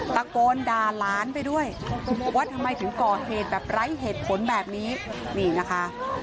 ตะโกนด่าหลานไปด้วยว่าทำไมถึงก่อเหตุแบบไร้เหตุผลแบบนี้นี่นะคะ